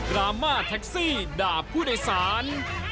ราม่าแท็กซี่ดาบผู้ใดสาร